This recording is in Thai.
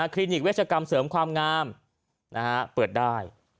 ลินิกเวชกรรมเสริมความงามเปิดได้